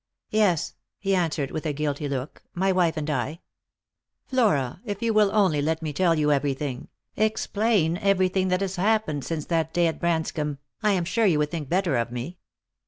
" Yes," he answered, with a guilty look, " my wife and I. Flora, if you will only let me tell you everything — explain everything that has happened since that day at Branscomb — I am sure you would think better of me."